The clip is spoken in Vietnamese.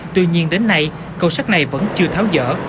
tuy nhiên đến nay cầu sắt này vẫn chưa tháo dở